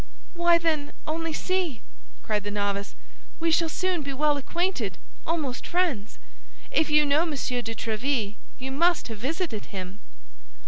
"Why, then, only see!" cried the novice; "we shall soon be well acquainted, almost friends. If you know Monsieur de Tréville, you must have visited him?"